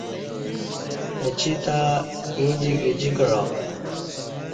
اچی تہ ایں دی گجی کعہ